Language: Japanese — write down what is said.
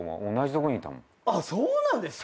そうなんですか？